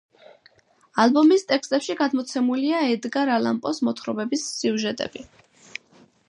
ალბომის ტექსტებში გადმოცემულია ედგარ ალან პოს მოთხრობების სიუჟეტები.